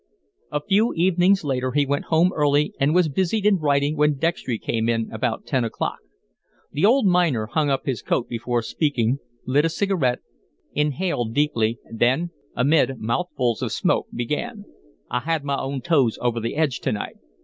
A few evenings later he went home early and was busied in writing when Dextry came in about ten o'clock. The old miner hung up his coat before speaking, lit a cigarette, inhaled deeply, then, amid mouthfuls of smoke, began: "I had my own toes over the edge to night.